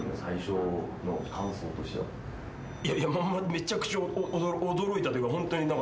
・めちゃくちゃ驚いたというかホントに。